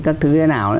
các thứ thế nào